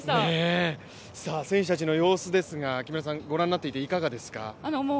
選手たちの様子ですが、木村さんご覧になっていていかがですか？